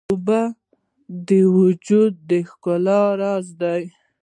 اوبه د وجود د ښکلا راز دي.